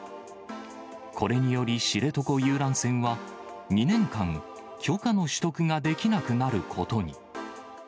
これにより、知床遊覧船は、２年間、許可の取得ができなくなることに。